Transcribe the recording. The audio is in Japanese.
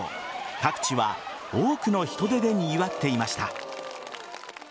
各地は多くの人出でにぎわっていました。